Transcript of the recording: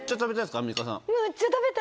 アンミカさん。